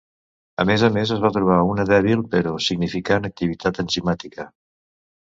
A més a més, es va trobar una dèbil, però significant, activitat enzimàtica.